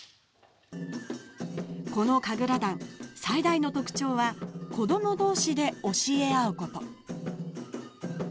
この神楽団、最大の特徴は子ども同士で教え合うこと。